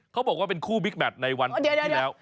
เขาบอกว่าเป็นคู่บิ๊กแมทในวันอาทิตย์ที่แล้ว